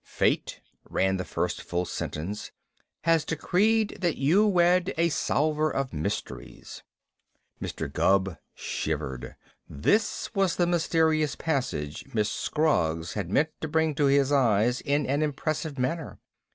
"'Fate,'" ran the first full sentence, "'has decreed that you wed a solver of mysteries.'" Mr. Gubb shivered. This was the mysterious passage Miss Scroggs had meant to bring to his eyes in an impressive manner.